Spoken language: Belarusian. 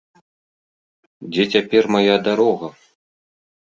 Дзе цяпер мая дарога!